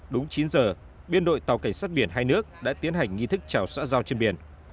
đúng chín giờ biên đội tàu cảnh sát biển hai nước đã tiến hành nghi thức trào xã giao trên biển